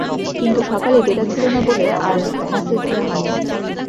কিন্তু সকালে ডেটা ছিলো না বলে আর মেসেজ দেয়া হয় নি।